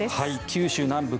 九州南部